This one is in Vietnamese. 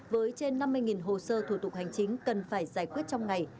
với trên năm mươi hồ sơ thủ tục hành chính cần phải giải quyết trong ngày